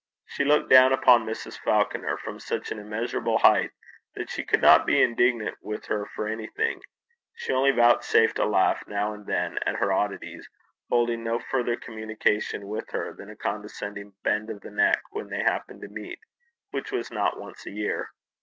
She looked down upon Mrs. Falconer from such an immeasurable height that she could not be indignant with her for anything; she only vouchsafed a laugh now and then at her oddities, holding no further communication with her than a condescending bend of the neck when they happened to meet, which was not once a year.